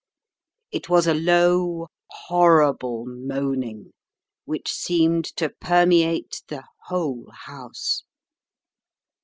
It was a low, horrible moaning which seemed to permeate the whole house.